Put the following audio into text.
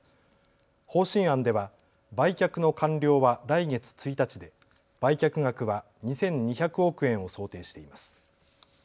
方針案では売却の完了は来月１日で売却額は２２００億円を想定しています。